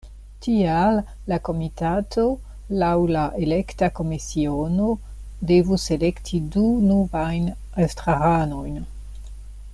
Tial la komitato laŭ la elekta komisiono devus elekti du novajn estraranojn.